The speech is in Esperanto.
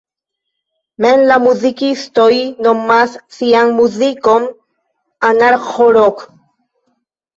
Mem la muzikistoj nomas sian muzikon "anarĥo-rok".